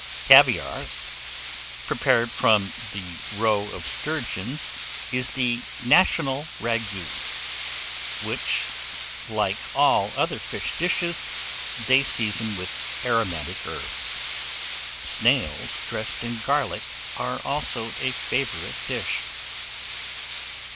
Caviare, prepared from the roes of sturgeons, is the national ragout, which, like all other fish dishes, they season with aromatic herbs. Snails dressed in garlic are also a favourite dish.